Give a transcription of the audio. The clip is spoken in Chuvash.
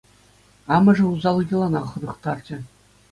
Амӑшӗ усал йӑлана хӑнӑхтарчӗ.